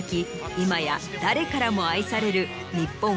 今や誰からも愛される。